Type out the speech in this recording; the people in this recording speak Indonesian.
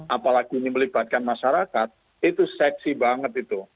apalagi ini melibatkan masyarakat itu seksi banget itu